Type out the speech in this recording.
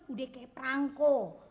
udah kayak perangko